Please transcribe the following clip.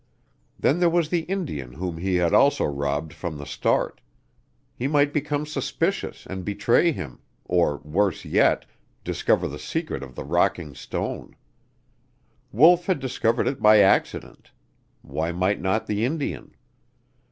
Then there was the Indian whom he had also robbed from the start. He might become suspicious and betray him, or worse yet, discover the secret of the rocking stone. Wolf had discovered it by accident; why might not the Indian?